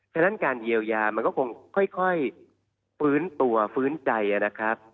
ฉะนั้นการเยียวยามันก็คงค่อยฟื้นตัวฟื้นใจนะครับ